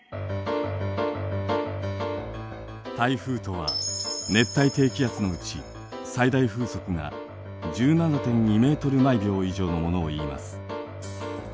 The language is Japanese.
台風とは熱帯低気圧のうち最大風速が１７．２メートル毎秒以上のものをいいます。